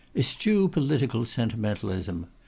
Eschew political sentimentalism.